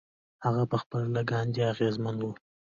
هغه پخپله له ګاندي اغېزمن و.